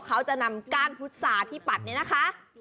เขาจะนำก้านพุทธศาสตร์ที่ปัดเนี่ยนะคะ